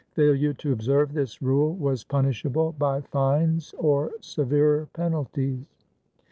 Failure to observe this rule was punishable by fines or severer penalties.